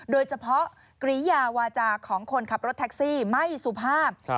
โดยเฉพาะกริยาวาจาของคนขับรถแท็กซี่ไม่สุภาพ